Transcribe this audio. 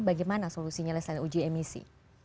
bagaimana solusinya lesanya uji emisi